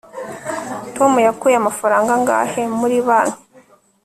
tom yakuye amafaranga angahe muri banki